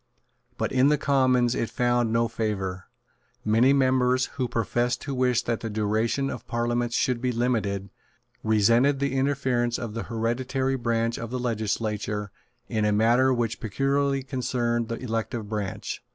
But in the Commons it found no favour. Many members, who professed to wish that the duration of parliaments should be limited, resented the interference of the hereditary branch of the legislature in a matter which peculiarly concerned the elective branch.